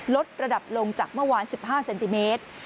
ลดระดับลงจากเมื่อวาน๑๕เซนติเมตร